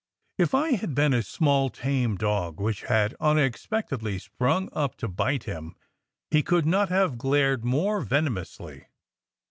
If I had been a small tame dog which had unexpectedly sprung up to bite him, he could not have glared more venomously.